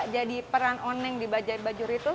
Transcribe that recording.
jadi peran oneng di bajaj bajor itu